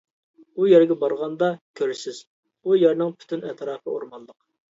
ئۇ يەرگە بارغاندا كۆرىسىز، ئۇ يەرنىڭ پۈتۈن ئەتراپى ئورمانلىق.